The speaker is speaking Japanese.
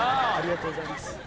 ありがとうございます。